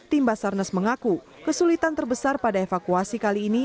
tim basarnas mengaku kesulitan terbesar pada evakuasi kali ini